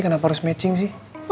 kenapa harus matching sih